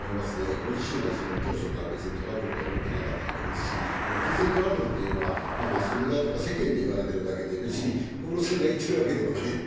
ご自身は当初から別にトラブルとは思ってなかったわけですし、金銭トラブルっていうのは、マスコミだとか、世間でいわれてるだけで、別に小室さんが言ってるわけではないんで。